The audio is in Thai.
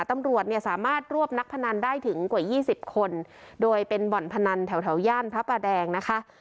ตำรวจเนี่ยสามารถรวบนักพนันได้ถึงกว่ายี่สิบคนโดยเป็นบ่อนพนันแถวย่านพระประแดงนะคะ